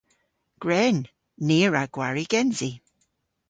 Gwren! Ni a wra gwari gensi.